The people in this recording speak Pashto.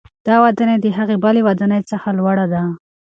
دا ودانۍ د هغې بلې ودانۍ څخه لوړه ده.